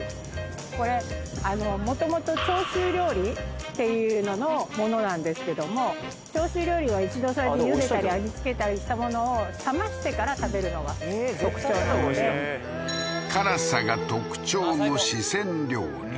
これもともとっていうののものなんですけども潮州料理は一度そうやって茹でたり味付けたりしたものを冷ましてから食べるのが特徴なので辛さが特徴の四川料理